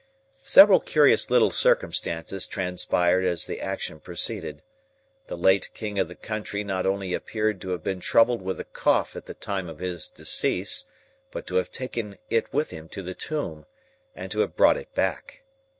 Several curious little circumstances transpired as the action proceeded. The late king of the country not only appeared to have been troubled with a cough at the time of his decease, but to have taken it with him to the tomb, and to have brought it back.